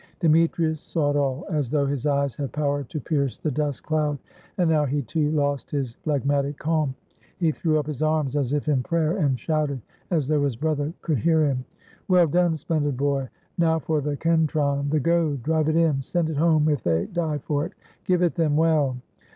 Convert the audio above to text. Demetrius saw it all, as though his eyes had power to SOS ROME pierce the dust cloud, and now he, too, lost his phleg matic calm. He threw up his arms as if in prayer and shouted, as though his brother could hear him: "Well done, splendid boy! Now for the kentron — the goad — drive it in, send it home if they die for it! Give it them well!"